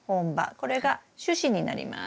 これが主枝になります。